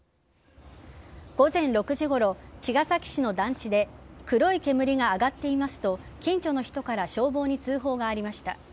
午前６時ごろ茅ヶ崎市の団地で黒い煙が上がっていますと近所の人から消防に通報がありました。